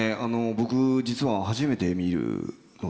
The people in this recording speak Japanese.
僕実は初めて見るので。